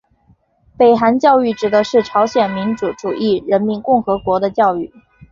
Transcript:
北韩教育指的是朝鲜民主主义人民共和国的教育。